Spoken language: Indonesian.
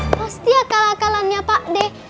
pasti akal akalannya pak deh